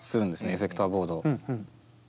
エフェクターボード。